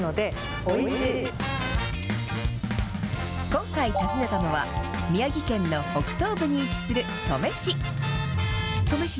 今回訪ねたのは、宮城県の北東部に位置する登米市。